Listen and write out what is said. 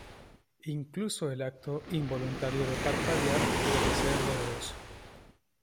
Incluso el acto involuntario de parpadear puede ser doloroso.